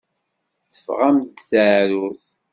Teffeɣ-am-d teεrurt.